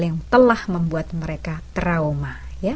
yang telah membuat mereka trauma